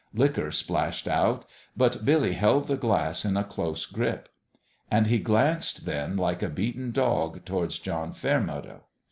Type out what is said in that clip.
Liquor splashed out ; but Billy held the glass in a close grip. And he glanced, then, like a beaten dog, towards John Fairmeadow.